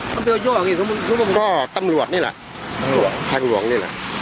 มันเป็นตัวยอ้อดของไม่รู้จังครับก็ตำรวจนี่แหละตำรวจทางหลวงนี่แหละ